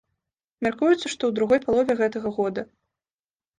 Мяркуецца, што ў другой палове гэтага года.